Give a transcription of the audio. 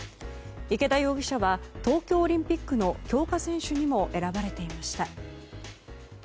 池田容疑者は東京オリンピックの強化選手にも選ばれていました。